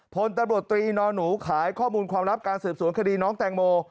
พลตำรวจตรีนอนหนูขายข้อมูลความลับการสืบสวนคดีน้องแตงโม